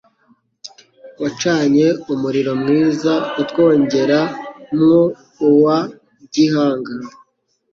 Wacanye umuriro mwiza Utwongera mwo uwa Gihanga